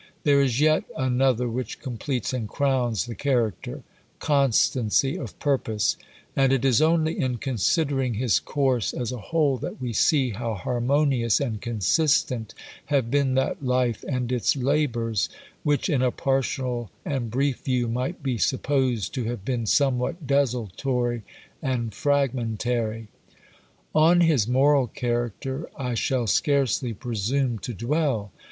There is yet another which completes and crowns the character, constancy of purpose; and it is only in considering his course as a whole, that we see how harmonious and consistent have been that life and its labours, which, in a partial and brief view, might be supposed to have been somewhat desultory and fragmentary. On his moral character I shall scarcely presume to dwell.